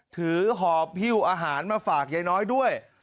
ถือหอพิวอาหารมาฝากใยน้อยด้วย